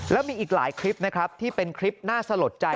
แล้วมีอีกหลายคลิปนะครับที่เป็นคลิปน่าสลดใจ